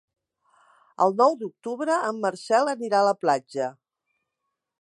El nou d'octubre en Marcel anirà a la platja.